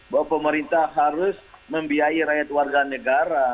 bahwa pemerintah harus membiayai rakyat warga negara